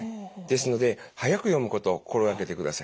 ですので速く読むことを心掛けてください。